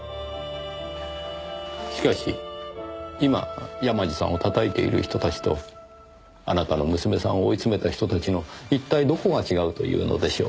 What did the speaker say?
しかし今山路さんを叩いている人たちとあなたの娘さんを追い詰めた人たちの一体どこが違うというのでしょう？